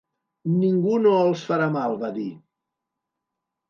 Ningú no els farà mal, va dir.